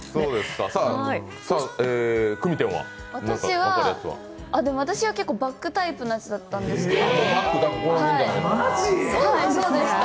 私は結構バッグタイプのやつだったんですけど。